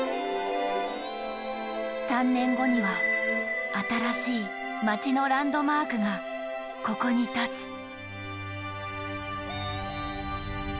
３年後には新しい街のランドマークがここに建つ。